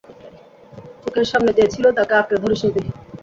চোখের সামনে যে ছিল তাকে আঁকড়ে ধরিসনি তুই।